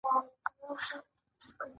• ماشومان د واورې سره لوبې کوي.